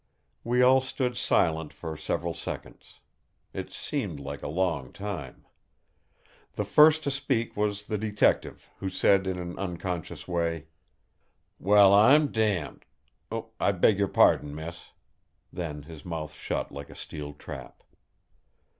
We all stood silent for several seconds. It seemed a long time. The first to speak was the Detective, who said in an unconscious way: "Well, I'm damned! I beg your pardon, miss!" Then his mouth shut like a steel trap.